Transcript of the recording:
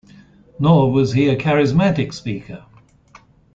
Nor was he a charismatic speaker.